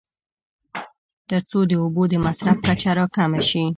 تر څو د اوبو د مصرف کچه راکمه شي.